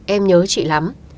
em nhớ chị lắm